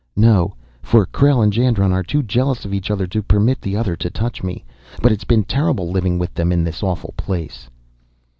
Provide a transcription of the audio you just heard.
"No, for Krell and Jandron are too jealous of each other to permit the other to touch me. But it's been terrible living with them in this awful place."